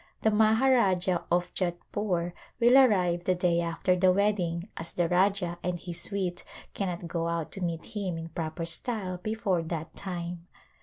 The Maharajah of Jodhpore will arrive the day after the wedding as the Rajah and his suite cannot go out to meet him in proper style before that time.